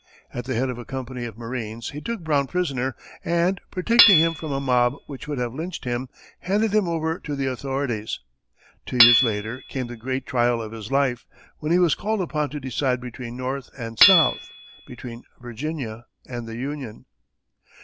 At the head of a company of marines, he took Brown prisoner and, protecting him from a mob which would have lynched him, handed him over to the authorities. Two years later came the great trial of his life, when he was called upon to decide between North and South, between Virginia and the Union.